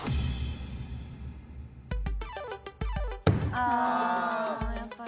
あやっぱり。